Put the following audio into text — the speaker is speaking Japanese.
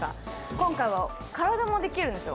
今回は体もできるんですよ。